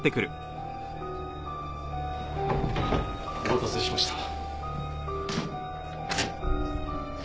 お待たせしました。